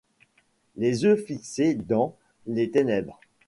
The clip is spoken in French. Des yeux fixés dans, les ténèbres ;